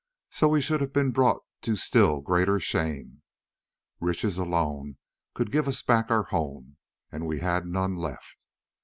So we should have been brought to still greater shame. Riches alone could give us back our home, and we had none left.